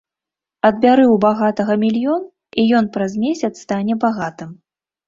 Адбяры ў багатага мільён, і ён праз месяц стане багатым.